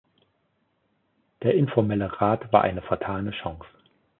Der informelle Rat war eine vertane Chance.